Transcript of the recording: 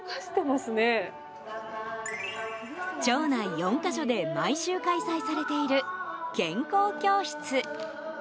町内４か所で毎週開催されている健康教室。